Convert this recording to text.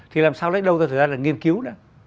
thì làm sao lấy đâu thời gian để nghiên cứu